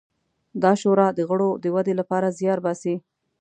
دا شورا د غړو د ودې لپاره زیار باسي.